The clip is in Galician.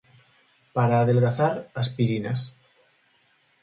Para adelgazar, aspirinas.